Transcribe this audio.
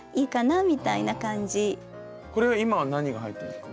これは今は何が入ってますか？